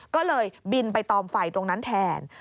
ก็เลยบินไปตอมไฟตรงนั้นแทน